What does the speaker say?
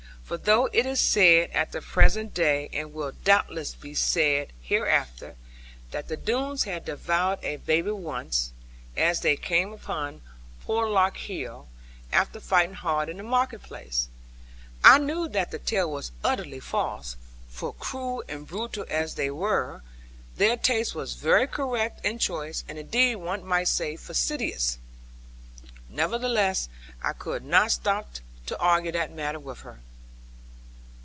For though it is said at the present day, and will doubtless be said hereafter, that the Doones had devoured a baby once, as they came up Porlock hill, after fighting hard in the market place, I knew that the tale was utterly false; for cruel and brutal as they were, their taste was very correct and choice, and indeed one might say fastidious. Nevertheless I could not stop to argue that matter with her.